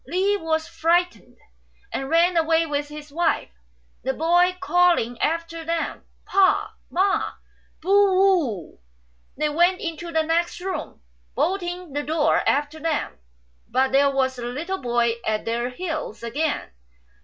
Li was frightened, and ran away with his wife, the boy calling after them, "Pa! Ma! boo oo oo." They went into the next room, bolting the door after them ; but there was the little boy at their heels again.